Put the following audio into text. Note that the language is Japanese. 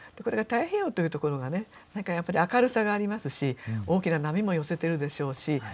これが太平洋というところがね何かやっぱり明るさがありますし大きな波も寄せてるでしょうし。